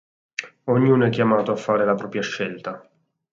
Ognuno è chiamato a fare la propria scelta.